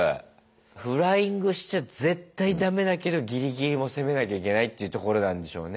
フライングしちゃ絶対だめだけどギリギリも攻めなきゃいけないっていうところなんでしょうね。